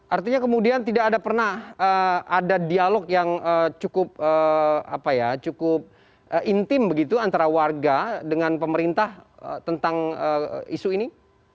artinya kemudian tidak ada pernah ada dialog yang cukup intim begitu antara warga dengan pemerintah tentang isu ini